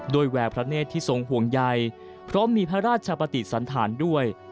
แววพระเนธที่ทรงห่วงใยพร้อมมีพระราชปฏิสันธารด้วย